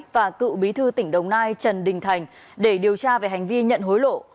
và cựu bí thư tỉnh đồng nai trần đình thành để điều tra về hành vi nhận hối lộ